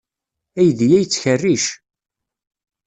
Aydi-a yettkerric.